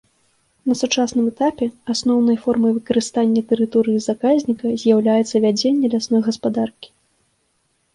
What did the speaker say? На сучасным этапе асноўнай формай выкарыстання тэрыторыі заказніка з'яўляецца вядзенне лясной гаспадаркі.